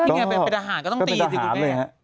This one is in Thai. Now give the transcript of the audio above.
นี่ไงเป็นอาหารก็ต้องตีสิคุณแม่